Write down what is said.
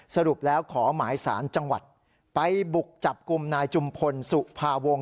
สรุปแล้วขอหมายสารจังหวัดไปบุกจับกลุ่มนายจุมพลสุภาวงศ